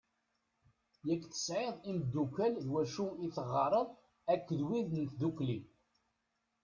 Yak tesɛiḍ imddukal d wacu i teɣɣareḍ akked wid n tddukli.